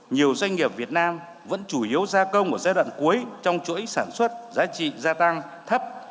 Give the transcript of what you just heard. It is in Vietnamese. nhiều doanh nghiệp việt nam vẫn chủ yếu gia công ở giai đoạn cuối trong chuỗi sản xuất giá trị gia tăng thấp